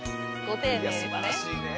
ご丁寧ですね。